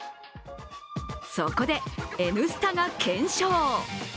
そこで「Ｎスタ」が検証。